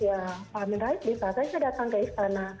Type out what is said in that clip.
ya pak amin rais bisa saja datang ke istana